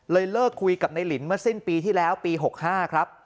เลิกคุยกับในลินเมื่อสิ้นปีที่แล้วปี๖๕ครับ